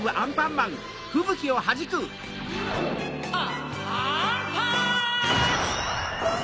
あっ！